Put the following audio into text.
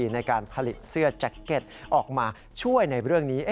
ในการผลิตเสื้อแจ็คเก็ตออกมาช่วยในเรื่องนี้